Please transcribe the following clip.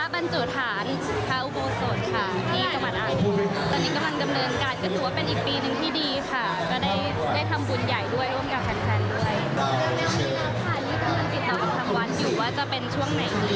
วันอยู่ว่าจะเป็นช่วงไหน